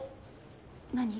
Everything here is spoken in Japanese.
何？